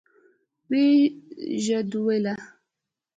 ويې ژدويله.